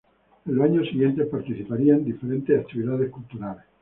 En los años siguientes participaría en diferentes actividades culturales.